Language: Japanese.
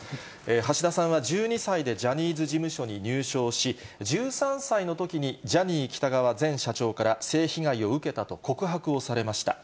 橋田さんは１２歳でジャニーズ事務所に入所をし、１３歳のときにジャニー喜多川前社長から性被害を受けたと告白をされました。